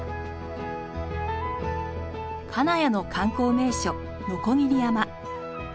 金谷の観光名所鋸山。